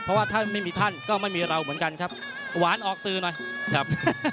เพราะว่าถ้าไม่มีท่านก็ไม่มีเราเหมือนกันครับหวานออกสื่อหน่อยครับ